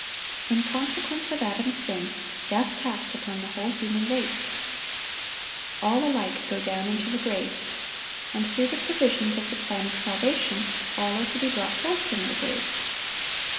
In consequence of Adam's sin, death passed upon the whole human race. All alike go down into the grave. And through the provisions of the plan of salvation, all are to be brought forth from their graves.